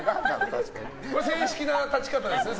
正式な立ち方ですね